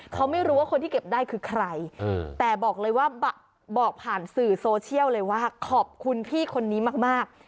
เขาไม่รู้ว่าคนที่เก็บได้คือใครแต่บอกเลยว่าบอกผ่านสื่อโซเชียลเลยว่าขอบคุณพี่คนนี้มาก